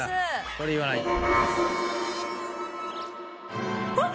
それ言わないと。